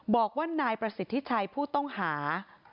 บอกว่านายประสิทธิชัยผู้ต้องหา